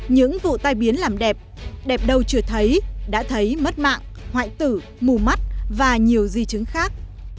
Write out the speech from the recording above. những vụ tai biến làm đẹp đẹp đâu chưa thấy đã thấy mất mạng tử mù mắt và nhiều di chứng khác